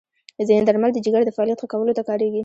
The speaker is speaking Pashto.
ځینې درمل د جګر د فعالیت ښه کولو ته کارېږي.